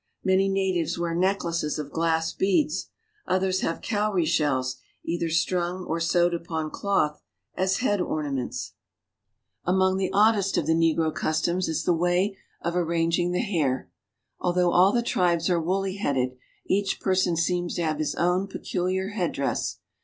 Many natives wear necklaces of glass beads; others have cowrie shells, either strung or sewed upon cloth, as head ornaments. 194 AFRICA Among the oddest of the negro customs is the way of a ranging the hair. Although all the tribes are woolly headed, each person seems to have his own peculiar headdress.